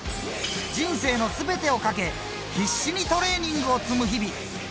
人生の全てを懸け必死にトレーニングを積む日々。